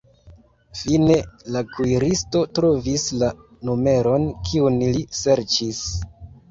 Fine la kuiristo trovis la numeron, kiun li serĉis.